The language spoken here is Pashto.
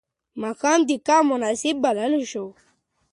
ماښام ته کب مناسب بلل شو.